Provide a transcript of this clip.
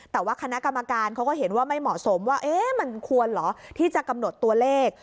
แต่ว่าคณะกรรมการเขาก็เห็นว่าไม่เหมาะสมว่ามันควรเหรอที่จะกำหนดตัวเลข